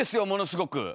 ものすごく。